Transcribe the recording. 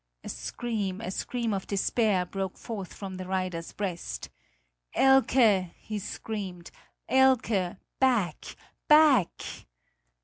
A scream, a scream of despair broke forth from the rider's breast: "Elke!" he screamed; "Elke! Back! Back!"